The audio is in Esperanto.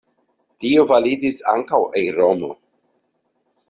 Tio validis ankaŭ en Romo.